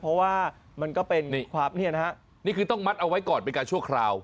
เพราะว่ามันก็เป็นความนี่คือต้องมัดเอาไว้ก่อนไปก่อนชั่วคราว